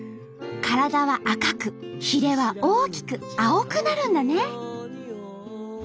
体は赤くひれは大きく青くなるんだね。